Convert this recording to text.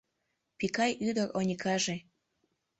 Пикай ӱдыр Оникаже